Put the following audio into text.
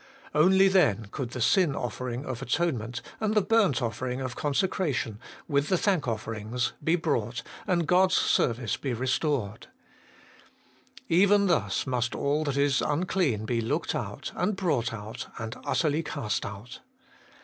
Only then could the 214 HOLY IN CHRIST. sin offering of atonement and the burnt offering of consecration, with the thankofferings, be brought, and God's service be restored. Even thus must all that is unclean be looked out, and brought out, and utterly cast out.